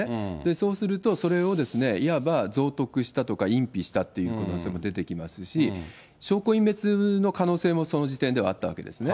そうすると、それをいわば蔵匿したとか、隠避したっていう可能性も出てきますし、証拠隠滅の可能性もその時点ではあったわけですね。